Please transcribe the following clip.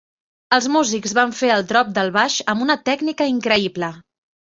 Els músics van fer el "drop" del baix amb una tècnica increïble.